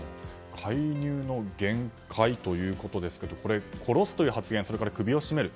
介入の限界ということですがこれ、殺すという発言首を絞める。